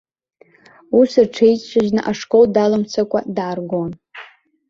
Ус рҽеиҿажьны, ашкол далымцакәа дааргон.